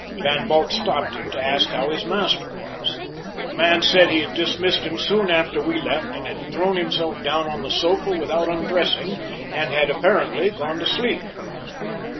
Van Bult stopped him to ask how his master was. The man said he had dismissed him soon after we left, and had thrown himself down on the sofa without undressing, and had apparently gone to sleep.